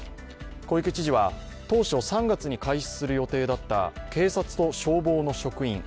小池知事は当初、３月に開始する予定だった警察と消防の職員